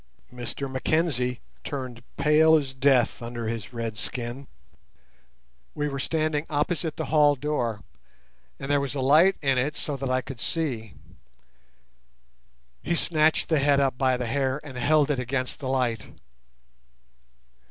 Mr Mackenzie turned pale as death under his red skin. We were standing opposite the hall door, and there was a light in it so that I could see. He snatched the head up by the hair and held it against the light.